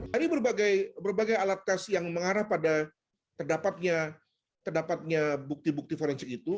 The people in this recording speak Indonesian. dari berbagai alat tes yang mengarah pada terdapatnya bukti bukti forensik itu